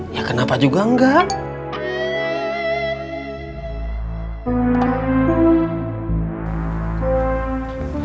ya kenapa juga enggak